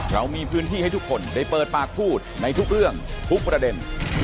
เรามีพื้นที่ให้ทุกคนได้เปิดปากพูดในทุกเรื่องทุกประเด็น